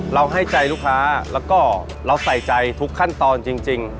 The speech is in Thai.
ให้ใจลูกค้าแล้วก็เราใส่ใจทุกขั้นตอนจริง